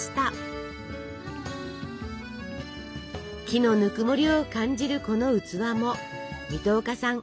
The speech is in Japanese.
木のぬくもりを感じるこの器も水戸岡さん